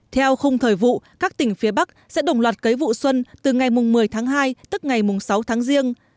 theo khung thời vụ các tỉnh phía bắc sẽ đồng loạt cấy vụ xuân từ ngày một mươi tháng hai tức ngày sáu tháng riêng